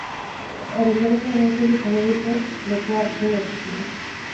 Erritmo lasaiagoek ere izango dute lekua aurtengo edizioan.